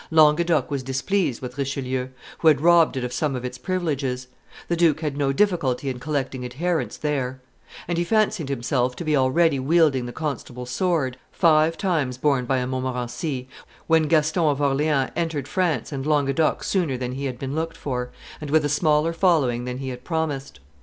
Languedoc was displeased with Richelieu, who had robbed it of some of its privileges; the duke had no difficulty in collecting adherents there; and he fancied himself to be already wielding the constable's sword, five times borne by a Montmorency, when Gaston of Orleans entered France and Languedoc sooner than he had been looked for, and with a smaller following than he had promised.